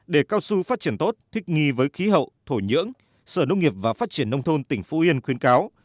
để cao su phát triển tốt thích nghi với khí hậu thổ nhưỡng sở nông nghiệp và phát triển nông thôn tỉnh phú yên khuyến cáo